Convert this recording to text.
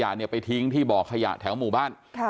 ไปทิ้งที่บ่อขยะแถวหมู่บ้าน